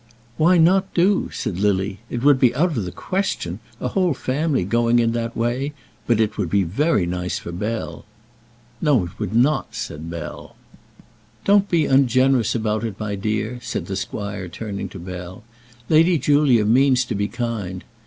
"Why not do?" said Lily. "It would be out of the question a whole family going in that way, but it would be very nice for Bell." "No, it would not," said Bell. "Don't be ungenerous about it, my dear," said the squire, turning to Bell; "Lady Julia means to be kind.